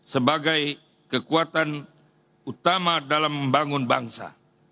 sebagai kekuatan utama dalam membangun bangsa